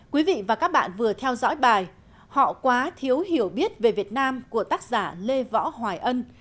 quý vị và các bạn vừa theo dõi bài họ quá thiếu hiểu biết về việt nam của tác giả lê võ hoài ân